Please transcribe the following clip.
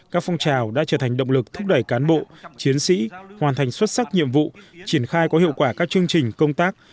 các phong trào đã trở thành động lực thúc đẩy cán bộ chiến sĩ hoàn thành xuất sắc nhiệm vụ triển khai có hiệu quả các chương trình công tác